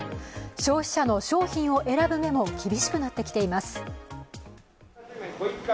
消費者の商品を選ぶ目も厳しくなってきています。